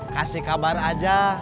kasih kabar aja